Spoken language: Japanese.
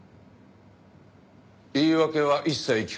言い訳は一切聞かんぞ。